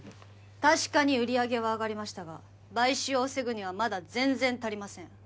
確かに売り上げは上がりましたが買収を防ぐにはまだ全然足りません